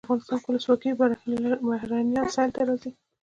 کله چې افغانستان کې ولسواکي وي بهرنیان سیل ته راځي.